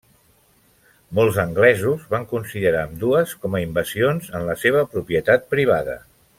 Molts anglesos van considerar ambdues com a invasions en la seva propietat privada.